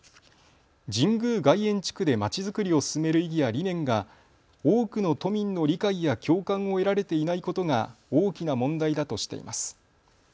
神宮外苑地区でまちづくりを進める意義や理念が多くの都民の理解や共感を得られていないことが大きな問題だとしています。